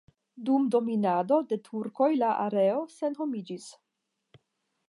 Dum dominado de turkoj la areo senhomiĝis.